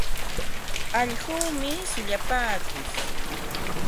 Allquumi shullupaakush.